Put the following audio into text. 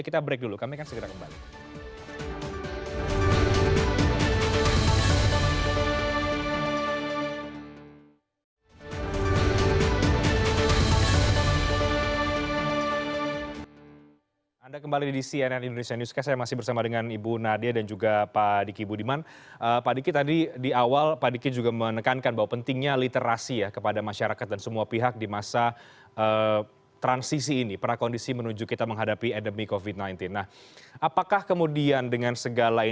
kita break dulu kami akan segera kembali